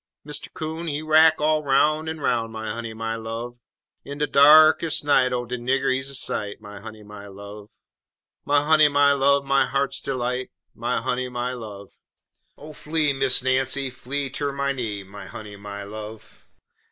Mister Coon, he rack all 'roun' en 'roun', My honey, my love! In de darkes' night, oh, de nigger, he's a sight! My honey, my love! My honey, my love, my heart's delight My honey, my love! Oh, flee, Miss Nancy, flee ter my knee, My honey, my love!